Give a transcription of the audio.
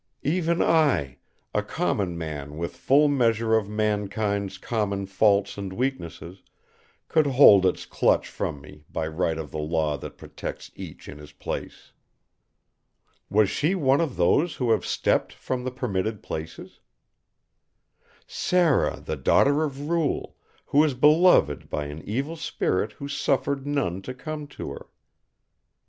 Even I, a common man with full measure of mankind's common faults and weaknesses, could hold Its clutch from me by right of the law that protects each in his place. Was she one of those who have stepped from the permitted places? "Sara the daughter of Ruel who was beloved by an evil spirit who suffered none to come to her."